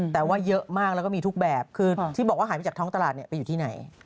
แต่ว่าเยอะมากแล้วก็มีทุกแบบคือที่บอกว่าหายไปจากท้องตลาดไปอยู่ที่ไหน